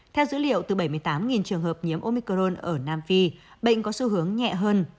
theo dữ liệu từ bảy mươi tám trường hợp nhiễm omicron ở nam phi bệnh có xu hướng nhẹ hơn